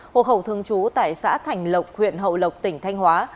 hộ khẩu thương chú tại xã thành lộc huyện hậu lộc tỉnh thanh hóa